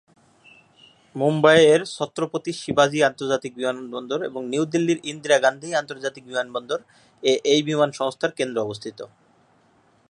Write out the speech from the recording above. মুম্বাই এর ছত্রপতি শিবাজি আন্তর্জাতিক বিমানবন্দর এবং নিউ দিল্লির ইন্দিরা গান্ধী আন্তর্জাতিক বিমানবন্দর এ এই বিমান সংস্থার কেন্দ্র অবস্থিত।